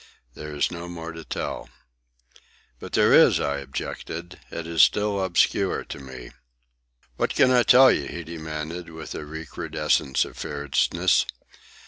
There is no more to tell." "But there is," I objected. "It is still obscure to me." "What can I tell you?" he demanded, with a recrudescence of fierceness.